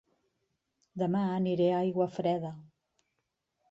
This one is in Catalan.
Dema aniré a Aiguafreda